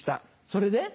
それで？